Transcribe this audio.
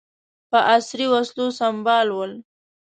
په عصري وسلو سمبال ول.